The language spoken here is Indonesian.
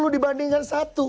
tujuh puluh dibandingkan satu